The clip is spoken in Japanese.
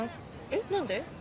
えっ何で？